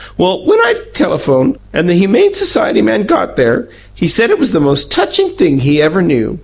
Well, when I'd telephoned, and the Humane Society man got there, he said it was the most touching thing he ever knew.